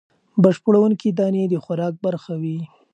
بشپړوونکې دانې د خوراک برخه وي.